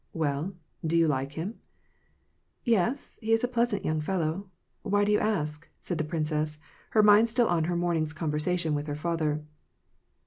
« Well, do you like him ?"" Yes, he is a pleasant young fellow. Why do you ask ?" said the princess, her mind still on her morning's conversation with her father.